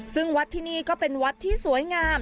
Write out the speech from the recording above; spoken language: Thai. ซึ่งวัดที่นี่ก็เป็นวัดที่สวยงาม